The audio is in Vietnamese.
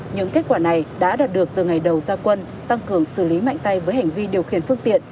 những kết quả này đã đạt được từ ngày đầu gia quân tăng cường xử lý mạnh tay với hành vi điều khiển phương tiện